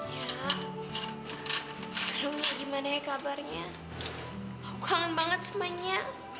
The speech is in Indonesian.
ya kamu lagi mana ya kabarnya aku kangen banget semangatnya